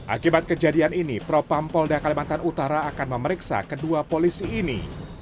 akibat kejadian ini propam polda kalimantan utara akan memeriksa kedua polisi ini